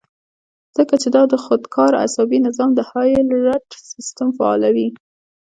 ځکه چې دا د خودکار اعصابي نظام د هائي الرټ سسټم فعالوي